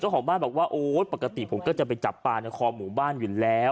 ของบ้านบอกว่าโอ๊ยปกติผมก็จะไปจับปลาในคอหมู่บ้านอยู่แล้ว